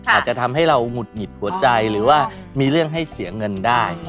อาจจะทำให้เราหุดหงิดหัวใจหรือว่ามีเรื่องให้เสียเงินได้